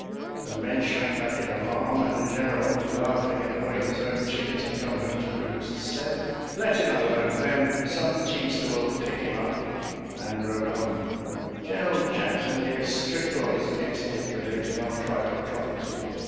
The men shrank back in alarm, and the Gen eral, laughing at the way his own chickens had come home to roost, said, " Let him alone, then — some teamster will pick him up," and rode on. 48 SOLDIER'S LETTERS TO CHARMING NELLIE General Jackson gave strict orders against dep redating on private property.